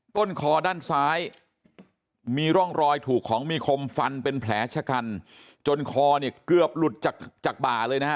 ต้นคอด้านซ้ายมีร่องรอยถูกของมีคมฟันเป็นแผลชะกันจนคอเนี่ยเกือบหลุดจากจากบ่าเลยนะฮะ